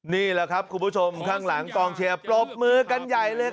นี่แหละครับคุณผู้ชมข้างหลังกองเชียร์ปรบมือกันใหญ่เลย